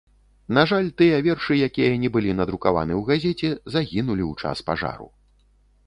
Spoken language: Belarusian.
На жаль, тыя вершы, якія не былі надрукаваны ў газеце, загінулі ў час пажару.